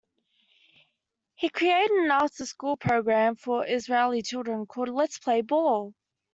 He created an after-school program for Israeli children, called "Let's Play Ball!